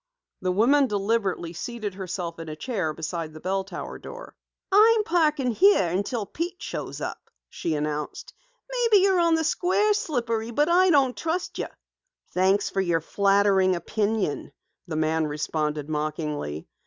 The woman deliberately seated herself in a chair beside the bell tower door. "I'm parking here until Pete shows up," she announced. "Maybe you're on the square, Slippery, but I don't trust you." "Thanks for your flattering opinion," the man responded mockingly.